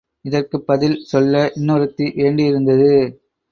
இதற்குப் பதில் சொல்ல இன்னொருத்தி வேண்டியிருந்தது.